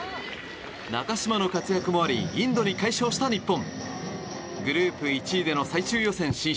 中嶋の活躍もありインドに快勝した日本。